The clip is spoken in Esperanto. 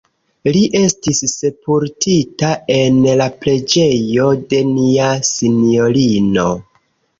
Li estis sepultita en la Preĝejo de Nia Sinjorino.